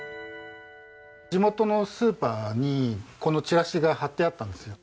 地元のスーパーにこのチラシが貼ってあったんですよ。